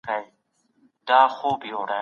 بااحساس استاد ماشومانو ته د سپورت اهمیت تشریح کوي.